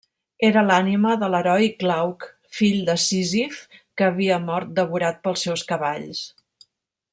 Era l'ànima de l'heroi Glauc, fill de Sísif, que havia mort devorat pels seus cavalls.